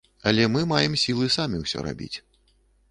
Але мы маем сілы самі ўсё рабіць.